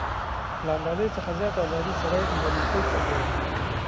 له اندازې څخه زیاته ازادي سړی مرییتوب ته بیايي.